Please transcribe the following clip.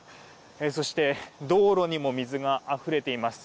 そして、道路にも水があふれています。